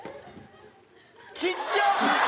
ちっちゃ！